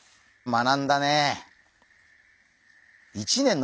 学んだね。